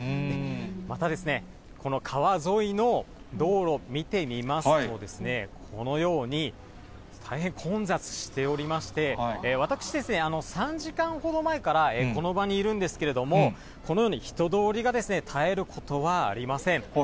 また、この川沿いの道路、見てみますとですね、このように、大変混雑しておりまして、私ですね、３時間ほど前からこの場にいるんですけれども、このように人通りが絶えることはありません。